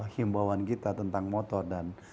himbauan kita tentang motor dan